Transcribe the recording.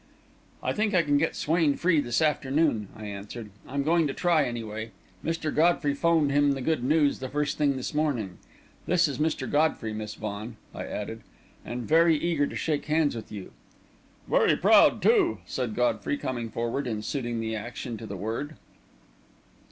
"I think I can get Swain free this afternoon," I answered. "I'm going to try, anyway. Mr. Godfrey 'phoned him the good news the first thing this morning. This is Mr. Godfrey, Miss Vaughan," I added, "and very eager to shake hands with you." "Very proud, too," said Godfrey, coming forward and suiting the action to the word.